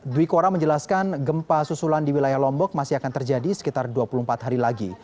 dwi kora menjelaskan gempa susulan di wilayah lombok masih akan terjadi sekitar dua puluh empat hari lagi